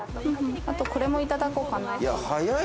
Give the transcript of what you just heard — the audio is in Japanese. あとこれもいただこうかな。